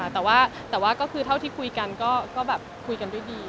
แต่ว่าก็คือเท่าที่คุยกันก็คุยกันด้วยดีไม่มีอะไร